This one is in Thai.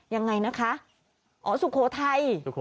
ยังไงนะคะอ๋อสุโขทัย